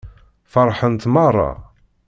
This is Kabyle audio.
Feṛḥent meṛṛa.